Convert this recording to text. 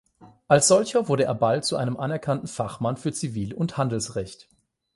Als solcher wurde er bald zu einem anerkannten Fachmann für Zivil- und Handelsrecht.